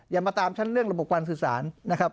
อย่ามาตามชั้นเรื่องระบบการสื่อสารนะครับ